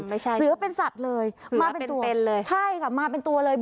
ไม่ใช่เสือเป็นสัตว์เลยเสือเป็นเป็นเลยใช่ค่ะมาเป็นตัวเลย